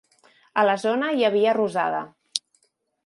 A la zona hi havia rosada.